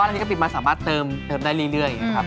อันนี้ก็ปิดมาสามารถเติมได้เรื่อยอย่างนี้ครับ